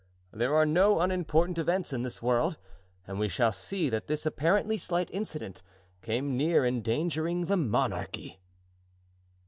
there are no unimportant events in this world and we shall see that this apparently slight incident came near endangering the monarchy.